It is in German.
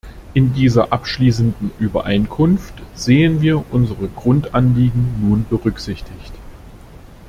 In dieser abschließenden Übereinkunft sehen wir unsere Grundanliegen nun berücksichtigt.